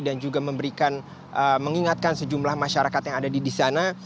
dan juga memberikan mengingatkan sejumlah masyarakat yang ada di sana